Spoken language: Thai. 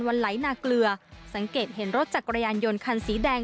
ไหลนาเกลือสังเกตเห็นรถจักรยานยนต์คันสีแดง